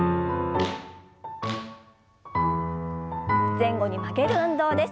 前後に曲げる運動です。